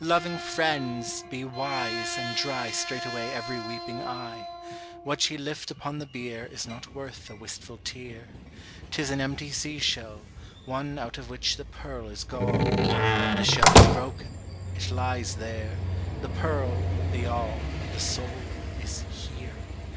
Loving friends! be wise, and dry Straightway every weeping eye: What ye lift upon the bier Is not worth a wistful tear. 'Tis an empty sea shell, one Out of which the pearl is gone. The shell is broken, it lies there; The pearl, the all, the soul, is here.